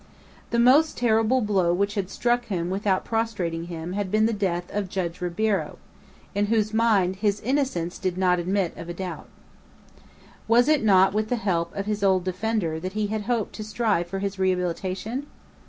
The most terrible blow which had struck him without prostrating him had been the death of Judge Ribeiro, in whose mind his innocence did not admit of a doubt. Was it not with the help of his old defender that he had hoped to strive for his rehabilitation?